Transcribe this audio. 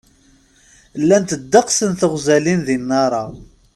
Llant ddeqs n teɣzalin di Nara.